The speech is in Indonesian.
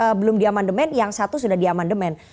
yang belum di amandemen yang satu sudah di amandemen